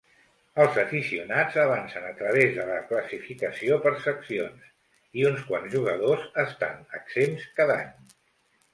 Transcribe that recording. Els aficionats avancen a través de la classificació per seccions, i uns quants jugadors estan exempts cada any.